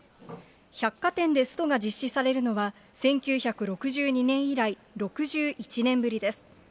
百貨店でストが実施されるのは、１９６２年以来、６１年ぶりです。